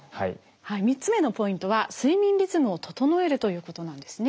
３つ目のポイントは睡眠リズムを整えるということなんですね